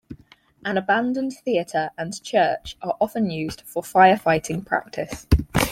An abandoned theater and church are often used for firefighting practice.